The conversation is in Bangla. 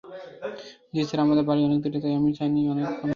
জ্বী স্যার, আমাদের বাড়ি অনেক দূরে, তাই আমি চাইনি আপনি কষ্ট করেন?